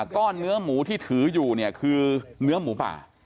ก้อนเนื้อหมูที่ถืออยู่เนี่ยคือเนื้อหมูป่า